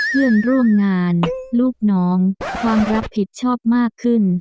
เพื่อนร่วมงานลูกน้องความรับผิดชอบมากขึ้น